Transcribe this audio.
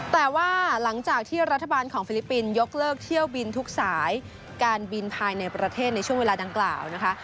แต่ว่าหลังจากที่รัฐบาลของฟิลิปปินส์ยกเลิกเที่ยวบินทุกสายการบินภายในประเทศในช่วงเวลาดังกล่าวนะคะ